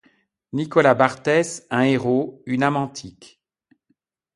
Nicolas Barthès, un héros, une âme antique!